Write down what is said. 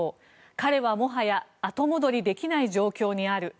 彼はもはや後戻りできない状況にある。